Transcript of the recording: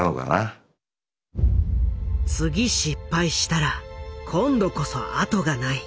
「次失敗したら今度こそ後がない」。